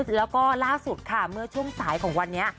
แล้วก็ล่าสุดค่ะเมื่อช่วงสายของวันนี้